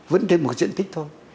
vẫn đến một diện tích thôi